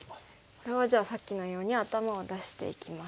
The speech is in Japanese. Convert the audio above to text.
これはじゃあさっきのように頭を出していきます。